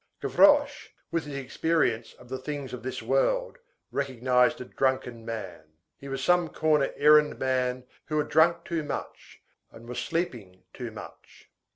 Gavroche, with his experience of the things of this world, recognized a drunken man. He was some corner errand man who had drunk too much and was sleeping too much.